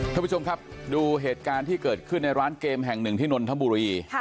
ท่านผู้ชมครับดูเหตุการณ์ที่เกิดขึ้นในร้านเกมแห่งหนึ่งที่นนทบุรี